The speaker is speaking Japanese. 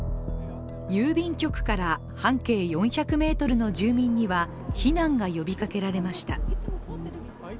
郵便局から半径４００ｍの住民には避難が呼びかけられました。